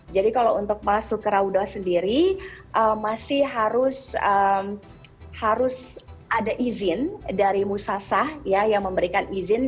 jadi kalau untuk masuk ke raudah sendiri masih harus ada izin dari musasah yang memberikan izin